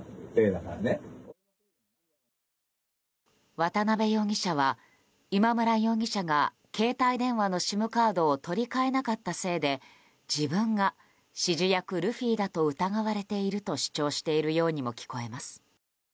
渡邉容疑者は今村容疑者が携帯電話のＳＩＭカードを取り換えなかったせいで自分が指示役ルフィだと疑われていると主張しているようにも聞こえます。